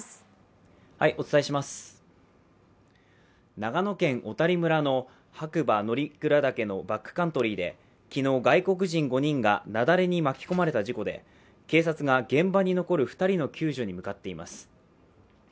長野県小谷村の白馬乗鞍岳のバックカントリーで昨日、外国人５人が雪崩に巻き込まれた事故で、警察が、現場に残る２人の救助に向かっています。